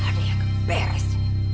ada yang beres